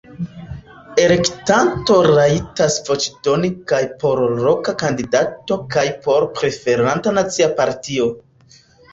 Elektanto rajtas voĉdoni kaj por loka kandidato kaj por preferata nacia partio.